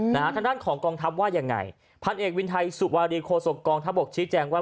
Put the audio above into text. ทางด้านของกองทัพว่ายังไงพันเอกวินไทยสุวารีโคศกกองทัพบกชี้แจงว่า